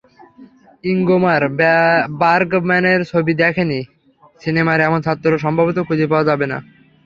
ইঙ্গমার বার্গম্যানের ছবি দেখেননি, সিনেমার এমন ছাত্র সম্ভবত খুঁজে পাওয়া যাবে না।